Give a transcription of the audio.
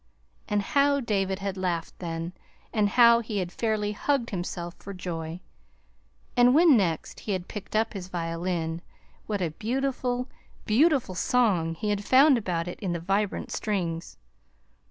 And how David had laughed then, and how he had fairly hugged himself for joy! And when next he had picked up his violin, what a beautiful, beautiful song he had found about it in the vibrant strings!